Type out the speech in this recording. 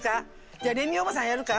じゃあレミおばさんやるか？